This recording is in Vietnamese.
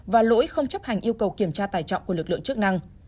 và lỗi không chấp hành yêu cầu kiểm tra tài trọng của lực lượng chức năng